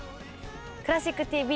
「クラシックＴＶ」